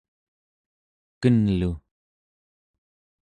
kenlu